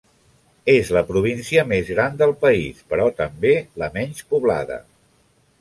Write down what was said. És la província més gran del país però també la menys poblada.